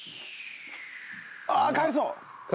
ああっ帰りそう！